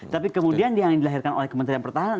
tapi kemudian yang dilahirkan oleh kementerian pertahanan